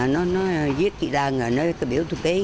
nó viết cái đơn rồi nó cứ biểu tôi ký